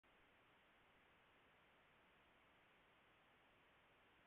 Comme convenu et en signe de paix.